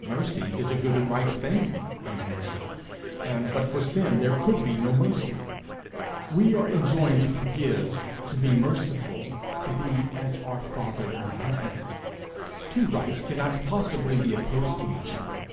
'Mercy is a good and right thing,' I answer, 'and but for sin there could be no mercy. We are enjoined to forgive, to be merciful, to be as our father in heaven. Two rights cannot possibly be opposed to each other.